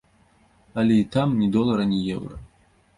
Але і там ні долара ні еўра.